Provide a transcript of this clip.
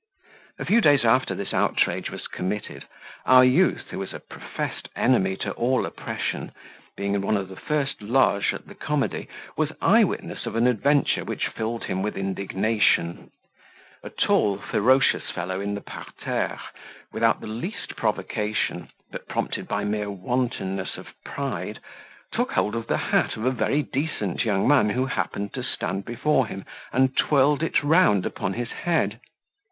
A few days after this outrage was committed, our youth, who was a professed enemy to all oppression, being in one of the first loges at the comedy, was eye witness of an adventure which filled him with indignation: a tall, ferocious fellow, in the parterre, without the least provocation, but prompted by the mere wantonness of pride, took hold of the hat of a very decent young man who happened to stand before him, and twirled it round upon his head.